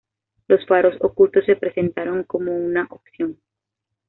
Los faros ocultos se presentaron como una opción.